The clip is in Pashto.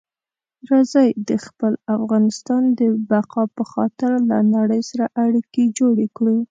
راځئ د خپل افغانستان د بقا په خاطر له نړۍ سره اړیکي جوړې کړو.